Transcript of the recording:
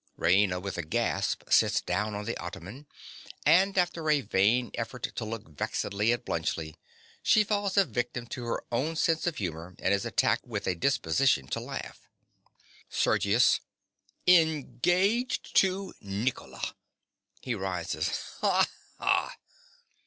(_Raina, with a gasp, sits down on the ottoman, and after a vain effort to look vexedly at Bluntschli, she falls a victim to her sense of humor, and is attacked with a disposition to laugh._) SERGIUS. Engaged to Nicola! (He rises.) Ha! ha!